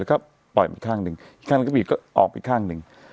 ก็ปล่อยไปข้างหนึ่ง